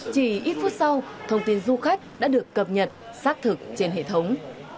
chỉ ít phút sau thông tin du khách đã được cập nhật xác thực trên hệ thống